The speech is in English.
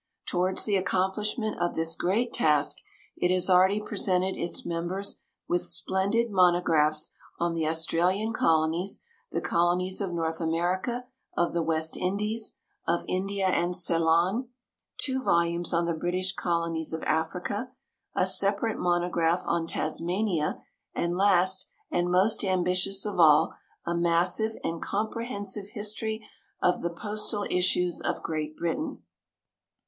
Towards the accomplishment of this great task, it has already presented its members with splendid monographs on the Australian Colonies, the Colonies of North America, of the West Indies, of India and Ceylon, two volumes on the British Colonies of Africa, a separate monograph on Tasmania, and last, and most ambitious of all, a massive and comprehensive history of the postal issues of Great Britain.